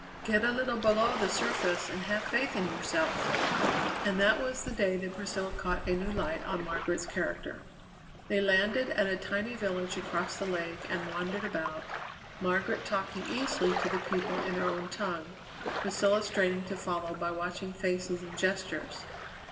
Get a little below the surface, and have faith in yourself." And that was the day that Priscilla caught a new light on Margaret's character. They landed at a tiny village across the lake and wandered about, Margaret talking easily to the people in their own tongue, Priscilla straining to follow by watching faces and gestures.